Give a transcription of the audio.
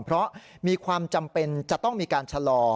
เพราะมีความจำเป็นจะต้องมีการชะลอ